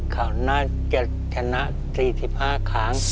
เขาน่าจะชนะ๔๕ครั้ง